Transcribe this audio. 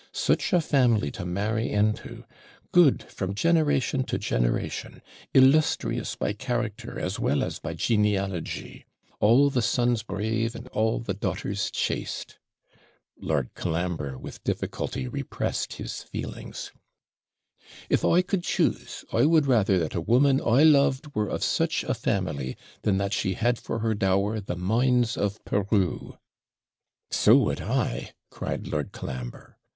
'Such a family to marry into; good from generation to generation; illustrious by character as well as by genealogy; "all the sons brave, and all the daughters chaste."' Lord Colambre with difficulty repressed his feelings. 'if I could choose, I would rather that a woman I loved were of such a family than that she had for her dower the mines of Peru.' 'So would I,' cried Lord Colambre.